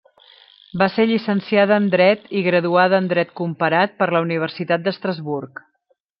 Va ser llicenciada en Dret i graduada en Dret Comparat per la Universitat d'Estrasburg.